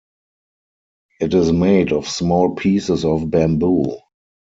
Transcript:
It is made of small pieces of bamboo.